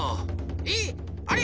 えっ⁉あれ？